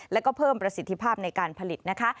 แล้วก็เพิ่มประสิทธิภาพในการผลิตนะคะ